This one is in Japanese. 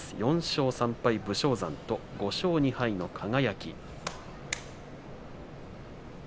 ４勝３敗の武将山と５勝２敗の輝。